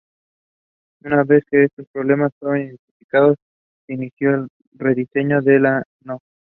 Una vez que estos problemas fueron identificados, se inició el rediseño de la No.